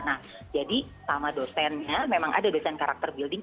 nah jadi sama dosennya memang ada dosen karakter building